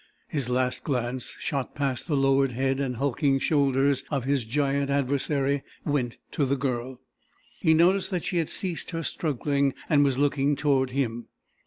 His last glance, shot past the lowered head and hulking shoulders of his giant adversary, went to the Girl. He noticed that she had ceased her struggling and was looking toward him.